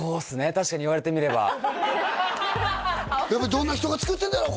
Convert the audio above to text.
確かに言われてみればどんな人が作ってるんだろう？